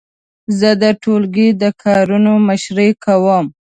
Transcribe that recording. زه د ټولګي د کارونو مشري کوم.